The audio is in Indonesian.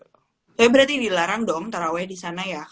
tapi berarti dilarang dong taraweh di sana ya